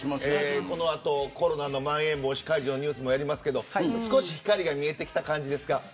この後、コロナのまん延防止解除のニュースもやりますけど少し光が見えてきた感じですか。